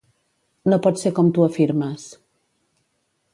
No pot ser com tu afirmes.